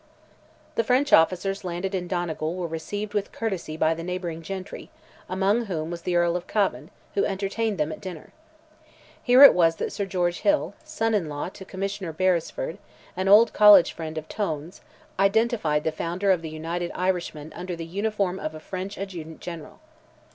The French officers landed in Donegal were received with courtesy by the neighbouring gentry, among whom was the Earl of Cavan, who entertained them at dinner. Here it was that Sir George Hill, son in law to Commissioner Beresford, an old college friend of Tone's, identified the founder of the United Irishmen under the uniform of a French Adjutant General.